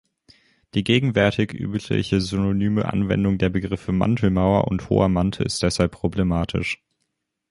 Die gegenwärtig übliche synonyme Anwendung der Begriffe „Mantelmauer“ und „Hoher Mantel“ ist deshalb problematisch.